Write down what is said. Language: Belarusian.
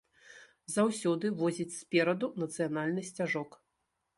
Заўсёды возіць спераду нацыянальны сцяжок.